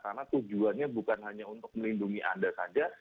karena tujuannya bukan hanya untuk melindungi anda saja